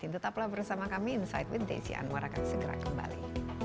tetaplah bersama kami insight with desi anwar akan segera kembali